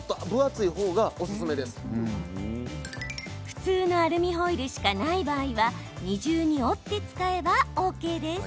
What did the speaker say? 普通のアルミホイルしかない場合は、二重に折って使えばＯＫです。